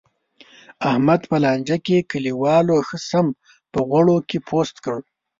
احمد په لانجه کې، کلیوالو ښه سم په غوړو کې پوست کړ.